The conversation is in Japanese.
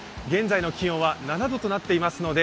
現在の気温は７度となっています。